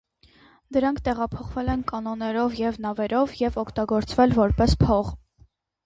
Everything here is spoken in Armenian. Դրանք տեղափոխվել են կանոեներով և նավերով և օգտագործվել որպես փող։